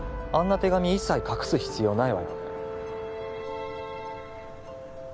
手紙一切隠す必要ないわよね